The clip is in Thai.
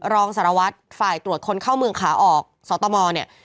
รองสารวัตรฝ่ายตรวจคนเข้าเมืองขาออกสตมเนี่ย